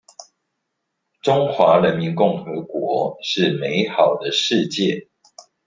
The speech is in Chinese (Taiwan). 中華人民共和國是美好的世界